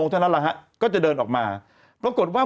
เท่านั้นแหละฮะก็จะเดินออกมาปรากฏว่า